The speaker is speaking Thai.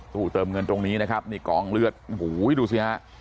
ตู้เติมเงินตรงนี้นะครับนี่กองเลือดโอ้โหดูสิฮะ